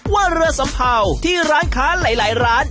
ว่าเรือสัมเภาที่ร้านค้าหลายร้าน